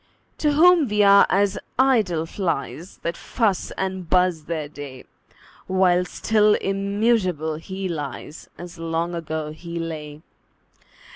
To whom we are as idle flies, That fuss and buzz their day; While still immutable he lies, As long ago he lay.